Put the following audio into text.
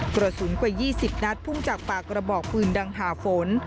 กระสุนกว่า๒๐นัดพุ่งจากปากกระบอกปืนดังหาฝน